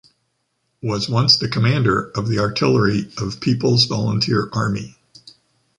Was once the commander of the artillery of People's Volunteer Army.